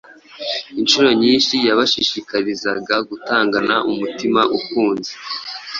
Incuro nyinshi yabashishikarizaga gutangana umutima ukunze.